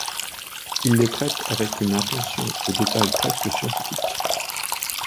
Il les traite avec une attention aux détails presque scientifique.